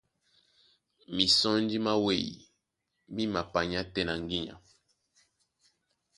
Mísɔnji má wêy mí mapanyá tɛ́ na ŋgínya.